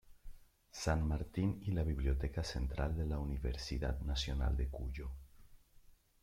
San Martín y la Biblioteca Central de la Universidad Nacional de Cuyo.